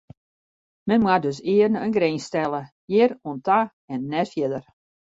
Men moat dus earne in grins stelle: hjir oan ta en net fierder.